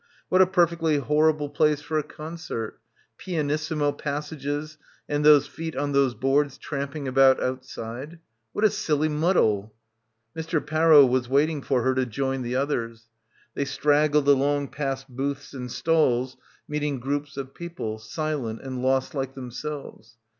. what a perfectly horrible place for a concert ... pianissimo pas sages and those feet on those boards tramping about outside. ... What a silly muddle. Mr. Parrow was waiting for her to join the others. They struggled along past booths and stalls, meet ing groups of people, silent and lost like them selves.